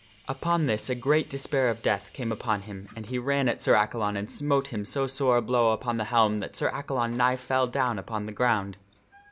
Upon this a great despair of death came upon him, and he ran at Sir Accalon and smote him so sore a blow upon the helm that Sir Accalon nigh fell down upon the ground.